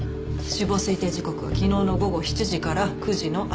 死亡推定時刻は昨日の午後７時から９時の間。